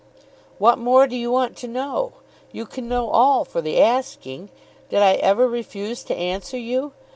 "What more do you want to know? You can know all for the asking. Did I ever refuse to answer you?